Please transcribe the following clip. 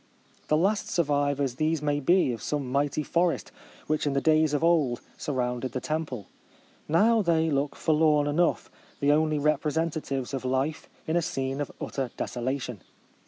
The last survivors these may be of some mighty forest, which in the days of old surrounded the temple. JSrow they look forlorn enough, the only representatives of life in a scene of utter desolation.